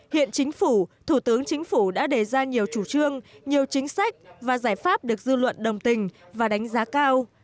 hiện chính phủ thủ tướng chính phủ đã đề ra nhiều chủ trương nhiều chính sách và giải pháp được dư luận đồng tình và đánh giá cao